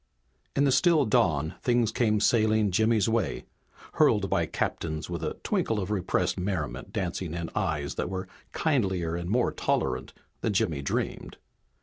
In the still dawn things came sailing Jimmy's way, hurled by captains with a twinkle of repressed merriment dancing in eyes that were kindlier and more tolerant than Jimmy dreamed.